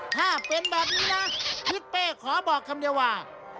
ถ้าเป็นแบบนี้นะทิศเป้ขอบอกคำเดียวว่า